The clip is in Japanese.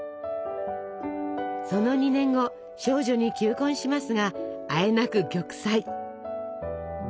その２年後少女に求婚しますがあえなく玉砕。